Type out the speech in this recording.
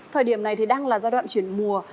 thời điểm này thì đang là giai đoạn chuyển mùa